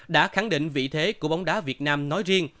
đã khẳng định vị thế của bóng đá việt nam nói riêng